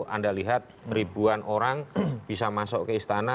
anda lihat ribuan orang bisa masuk ke istana